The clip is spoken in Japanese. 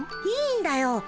いいんだよ。